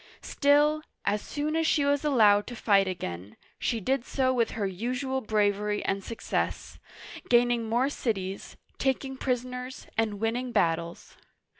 Still, as soon as she was allowed to fight again, she did so with her usual bravery and suc cess, gaining more cities, taking prisoners, and winning battles.